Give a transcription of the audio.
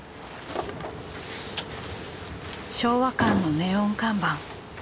昭和館のネオン看板。